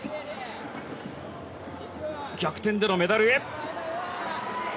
逆転でのメダルへ。